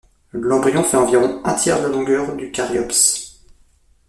L'embryon fait environ un tiers de la longueur du caryopse.